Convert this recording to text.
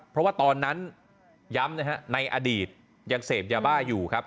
เพราะว่าตอนนั้นย้ำนะฮะในอดีตยังเสพยาบ้าอยู่ครับ